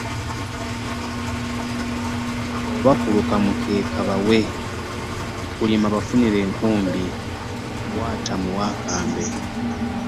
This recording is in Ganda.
Oba kuluka mukeeka bawe, kulima bafunire enkumbi, okuwaata muwe akambe.